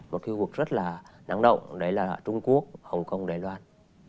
một cái vụ rất là năng động đấy là trung quốc hồng kông đài loan